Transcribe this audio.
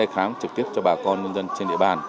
khám trực tiếp cho bà con nhân dân trên địa bàn